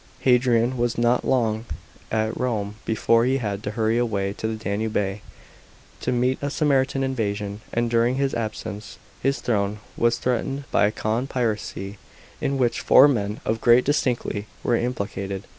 § 7. Hadrian was not long ai Rome before he had to hurry away to the Danube to meet a Sarmatian invasion, and during his absence his throne was threatened by a con piracy in which four men of great distinctly were implicated.